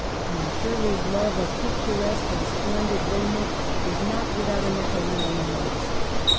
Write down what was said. And Shirley's love of picturesque and splendid raiment is not without an echo in our memories.